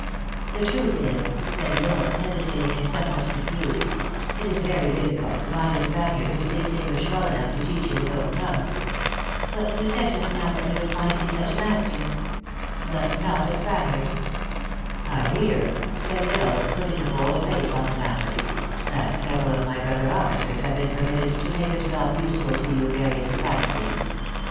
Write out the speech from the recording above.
" The truth is," said L Isle, hesitating and some what confused, "it is very difficult to find a Spaniard who speaks English well enough to teach you his own tongue." " But you said just now that would find me such a master." 52 THE ACTRESS IN HIGH LIFE. " But not a Spaniard. I hear," said L Isle, putting a bold face on the matter, " that several of my bro ther officers have been permitted to make themselves useful to you in various capacities.